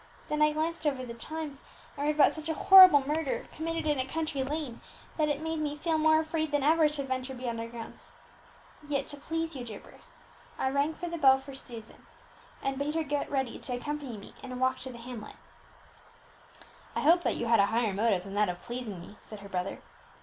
Then I glanced over the Times, and read about such a horrible murder, committed in a country lane, that it made me feel more than ever afraid to venture beyond our grounds. Yet, to please you, dear Bruce, I rang the bell for Susan, and bade her get ready to accompany me in a walk to the hamlet." "I hope that you had a higher motive than that of pleasing me," said her brother.